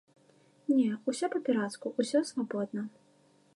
Не, усё па-пірацку, усё свабодна.